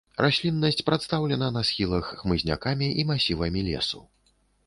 Расліннасць прадстаўлена на схілах хмызнякамі і масівамі лесу.